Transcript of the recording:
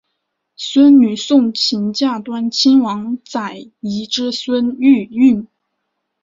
孙女诵琴嫁端亲王载漪之孙毓运。